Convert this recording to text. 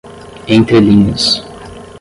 entrelinhas